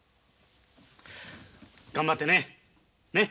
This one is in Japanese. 頑張ってね。ね？